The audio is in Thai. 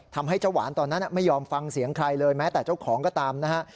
ทำให้เจ้าหวานตอนนั้นไม่ยอมฟังเสียงใครเลยแม้แต่เจ้าของก็ตามนะฮะ